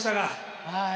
はい。